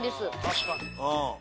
確かに。